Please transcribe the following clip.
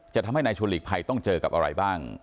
ทำให้นายชวนหลีกภัยต้องเจอกับอะไรบ้าง